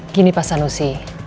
gini pak sanusi